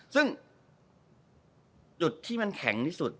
ซึ่งจุดที่มันแข็งที่สุด